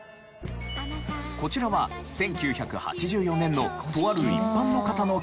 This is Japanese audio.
こちらは１９８４年のとある一般の方の結婚式の映像。